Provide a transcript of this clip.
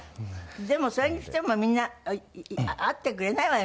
でもそれにしてもみんな会ってくれないわよ